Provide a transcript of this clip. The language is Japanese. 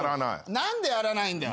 何でやらないんだよ！